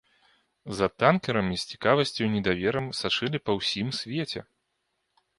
За танкерамі з цікавасцю і недаверам сачылі па ўсім свеце.